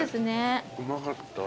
うまかった。